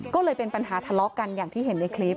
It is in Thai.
ก็เลยเป็นปัญหาทะเลาะกันอย่างที่เห็นในคลิป